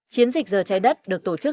chiến dịch giờ trái đất được tổ chức